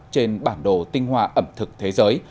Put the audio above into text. trên bảng đồ tinh hoa ẩm thực thế giới